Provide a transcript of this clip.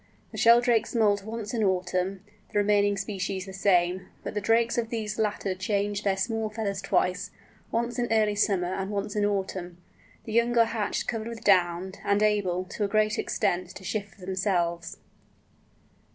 The Sheldrakes moult once in autumn, the remaining species the same, but the drakes of these latter change their small feathers twice, once in early summer and once in autumn. The young are hatched covered with down, and able, to a great extent, to shift for themselves.